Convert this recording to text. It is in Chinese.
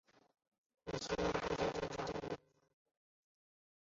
西北大学政治经济学专业毕业。